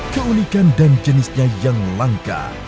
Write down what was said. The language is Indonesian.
keunikan dan jenisnya yang langka